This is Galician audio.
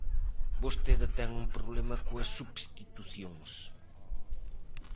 Vostede ten un problema coas substitucións.